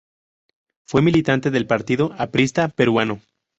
Fue militante del Partido Aprista Peruano.